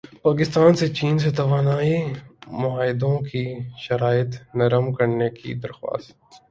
پاکستان کی چین سے توانائی معاہدوں کی شرائط نرم کرنے کی درخواست